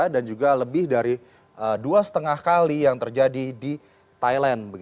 dan juga lebih dari dua lima kali yang terjadi di thailand